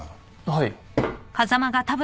はい。